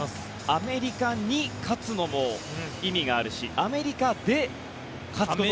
アメリカに勝つのも意味があるしアメリカで勝つことも。